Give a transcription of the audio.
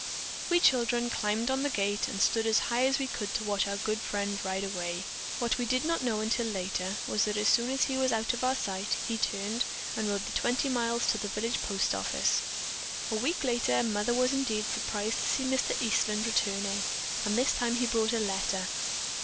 "We children climbed on the gate and stood as high as we could to watch our good friend ride away. What we did not know until later, was that as soon as he was out of our sight, he turned and rode that twenty miles to the village post office. A week later Mother was indeed surprised to see Mr. Eastland returning, and this time he brought a letter.